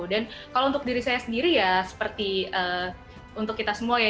dan kalau untuk diri saya sendiri ya seperti untuk kita semua ya